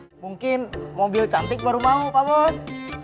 hai mungkin mobil cantik baru mau pak bos